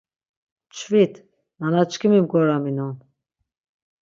Mçvit, nanaçkimi mgoraminon.